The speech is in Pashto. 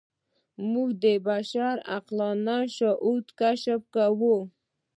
موږ د بشر عقلاني شهود کشف کوو.